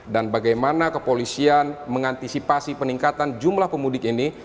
dan bagaimana kepolisian mengantisipasi peningkatan jumlah pemudik ini